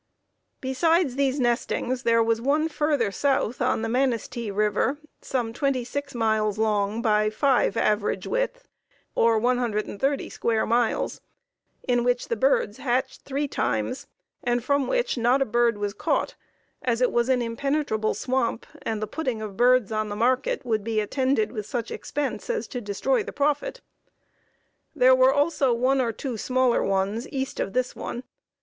Besides these nestings, there was one further south on the Manistee River, some twenty six miles long by five average width, or 130 square miles, in which the birds hatched three times, and from which not a bird was caught, as it was an impenetrable swamp, and the putting of birds on the market would be attended with such expense as to destroy the profit. There were also one or two smaller ones, east of this one.